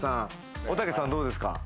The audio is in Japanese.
おたけさん、どうですか？